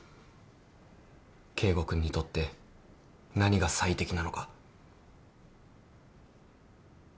圭吾君にとって何が最適なのか。